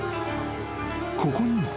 ［ここにも］